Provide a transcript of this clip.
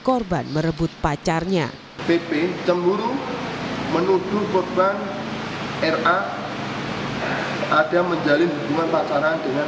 korban merebut pacarnya pp cemburu menuduh korban ra ada menjalin hubungan pacaran dengan